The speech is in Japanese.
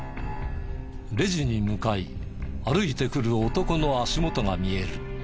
レジに向かい歩いてくる男の足元が見える。